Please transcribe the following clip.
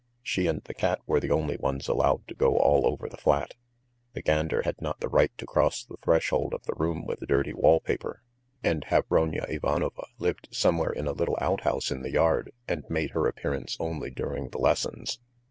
She and the cat were the only ones allowed to go all over the flat; the gander had not the right to cross the threshold of the room with the dirty wall paper, and Hayronya Ivanovna lived somewhere in a little outhouse in the yard and made her appearance only during the lessons.